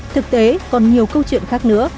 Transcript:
thực tế còn nhiều câu chuyện khác nữa